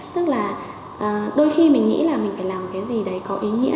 tức là đôi khi mình nghĩ là mình phải làm cái gì đấy có ý nghĩa